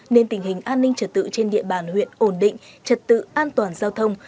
nên tình hình an ninh trật tự trên địa bàn huyện ổn định trật tự an toàn giao thông